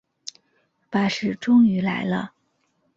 巴士终于来了